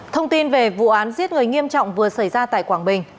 thông tin về vụ án giết người nghiêm trọng vừa xảy ra tại quảng bình